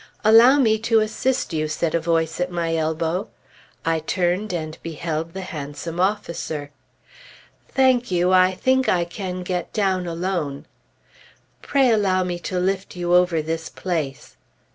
"Allow me to assist you," said a voice at my elbow. I turned and beheld the handsome officer. "Thank you; I think I can get down alone." "Pray allow me to lift you over this place."